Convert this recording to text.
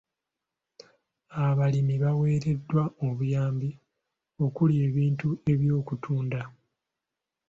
Abalimi baweereddwa obuyambi okulima ebintu eby'okutunda.